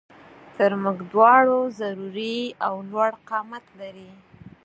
تر مونږ دواړو ضروري او لوړ قامت لري